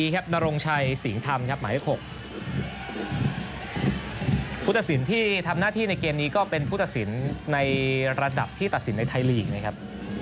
หมายความคิดว่าภูตศิลป์ที่ทำหน้าที่ในเกมนี้ก็เป็นภูตศิลป์ในระดับที่ตัดศิลป์ในไทยลีกนะครับ